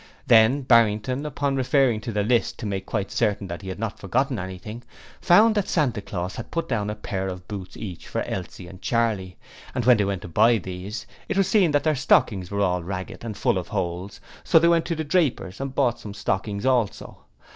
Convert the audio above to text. Then Barrington, upon referring to the list to make quite certain that he had not forgotten anything, found that Santa Claus had put down a pair of boots each for Elsie and Charley, and when they went to buy these, it was seen that their stockings were all ragged and full of holes, so they went to a draper's and bought some stocking also.